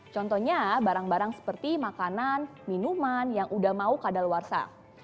contohnya barang barang seperti makanan minuman yang udah mau keadaan luar sah